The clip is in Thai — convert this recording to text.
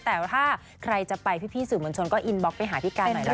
แต่ถ้าใครจะไปพี่สื่อมวลชนก็อินบล็อกไปหาพี่การหน่อยละกัน